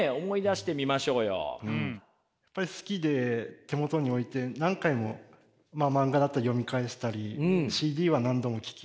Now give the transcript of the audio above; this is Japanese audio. やっぱり好きで手元に置いて何回も漫画だったら読み返したりＣＤは何度も聴き直したり。